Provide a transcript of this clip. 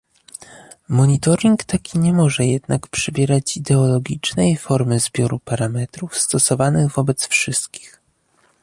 Monitoring taki nie może jednak przybierać ideologicznej formy zbioru parametrów stosowanych wobec wszystkich